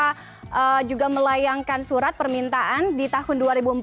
ketika waktu kemenpora juga melayangkan surat permintaan di tahun dua ribu empat belas dua ribu lima belas